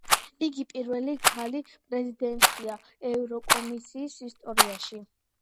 იგი პირველი ქალი პრეზიდენტია ევროკომისიის ისტორიაში.